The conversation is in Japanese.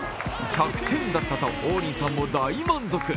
１００点だったと王林さんも大満足。